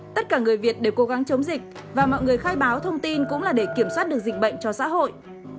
tất cả người việt đều cố gắng chống dịch và mọi người khai báo thông tin cũng là để kiểm soát được dịch bệnh cho xã hội